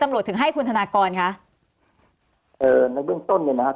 ทำโหลดถึงให้คุณธนากรคะเอ่อในเรื่องต้นเนี้ยนะครับ